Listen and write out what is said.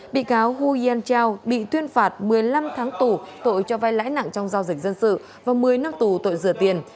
bị cáo hu yan chao bị tuyên phạt một mươi năm tháng tù tội cho vai lãi nặng trong giao dịch dân sự và một mươi năm tù tội rửa tiền